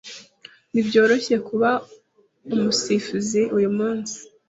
Ntibyoroshye kuba umusifuzi uyumunsi.